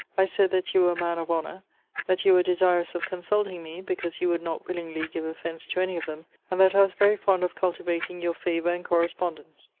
I said, That you were a man of honour: that you were desirous of consulting me, because you would not willingly give offence to any of them: and that I was very fond of cultivating your favour and correspondence.